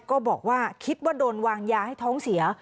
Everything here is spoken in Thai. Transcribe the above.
ก็บอกว่าคิดว่าโดนวางยาให้ท้องเสีย